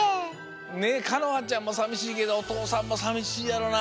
かのはちゃんもさみしいけどおとうさんもさみしいやろうな。